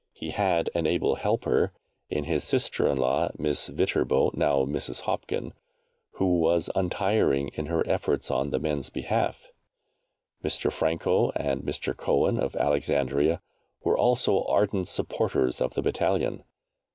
He had an able helper in his sister in law, Miss Viterbo (now Mrs. Hopkin), who was untiring in her efforts on the men's behalf. Mr. Franco and Mr. Cohen, of Alexandria, were also ardent supporters of the battalion.